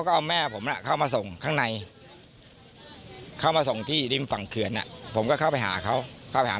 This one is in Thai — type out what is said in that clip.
ก็อธิษฐานแนวของเขา